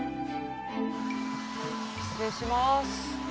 失礼します